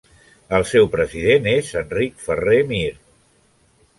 El seu president és Enric Ferrer Mir.